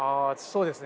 そうです。